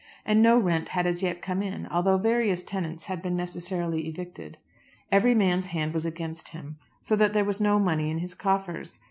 And no rent had as yet come in, although various tenants had been necessarily evicted. Every man's hand was against him; so that there was no money in his coffers.